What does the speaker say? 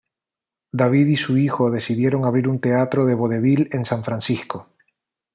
David y su hijo decidieron abrir un teatro de vodevil en San Francisco.